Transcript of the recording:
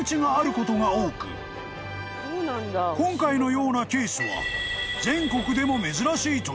［今回のようなケースは］